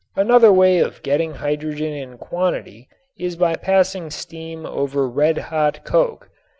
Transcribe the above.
Another way of getting hydrogen in quantity is by passing steam over red hot coke.